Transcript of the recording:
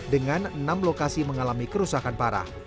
dengan enam lokasi mengalami kerusakan parah